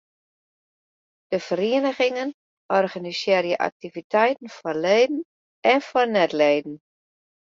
De ferieningen organisearje aktiviteiten foar leden en foar net-leden.